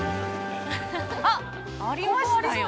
あっ、ありましたよ。